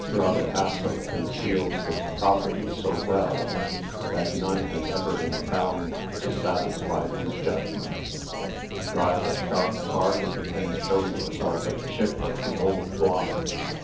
Rodicaso conceals his property so well, that none has ever been found to satisfy these judgments. Drive a sharp bargain, and show yourself a chip of the old block.